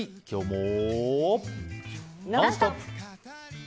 「ノンストップ！」。